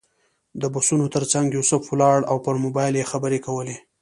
د بسونو تر څنګ یوسف ولاړ و او پر موبایل یې خبرې کولې.